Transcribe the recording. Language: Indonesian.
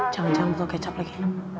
jangan jangan buka kecap lagi